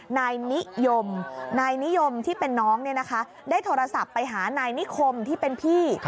นายนิยมนายนิยมที่เป็นน้องได้โทรศัพท์ไปหานายนิคมที่เป็นพี่